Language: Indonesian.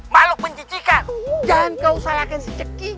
makhluk penjijikan jangan kau salahkan si cekin